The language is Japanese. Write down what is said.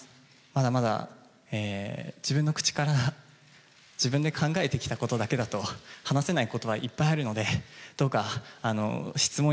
まだまだ自分の口から、自分で考えてきたことだけだと話せないことはいっぱいあるので、どうか、質問、